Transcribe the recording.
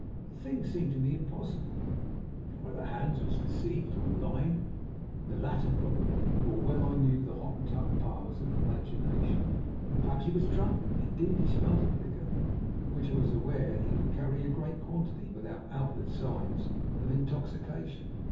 The thing seemed to me impossible. Either Hans was deceived or lying, the latter probably, for well I knew the Hottentot powers of imagination. Or perhaps he was drunk; indeed, he smelt of liquor, of which I was aware he could carry a great quantity without outward signs of intoxication.